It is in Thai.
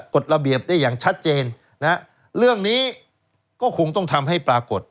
กฎระเบียบได้อย่างชัดเจนนะฮะเรื่องนี้ก็คงต้องทำให้ปรากฏ